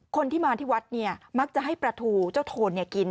คนที่มาที่วัดเนี่ยมักจะให้ปลาทูเจ้าโทนกิน